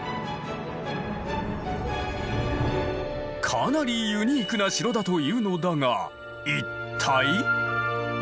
かなりユニークな城だというのだが一体？